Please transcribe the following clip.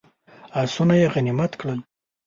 آسونه یې غنیمت کړل.